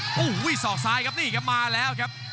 โอ้โหสอกสายครับนี่มีกันมาแล้วกับครับ